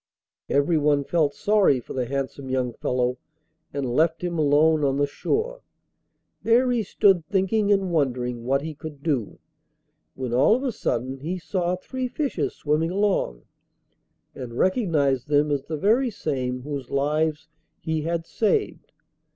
Everyone felt sorry for the handsome young fellow and left him alone on the shore. There he stood thinking and wondering what he could do, when all of a sudden he saw three fishes swimming along, and recognised them as the very same whose lives he had saved.